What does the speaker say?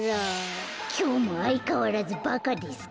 かいそう「きょうもあいかわらずバカですか？